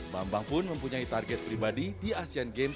bambang pun mempunyai target pribadi di asean games dua ribu delapan belas